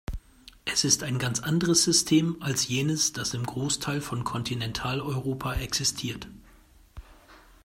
Es ist ein ganz anderes System als jenes, das im Großteil von Kontinentaleuropa existiert.